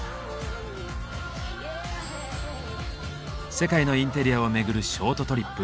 世界のインテリアを巡るショートトリップ。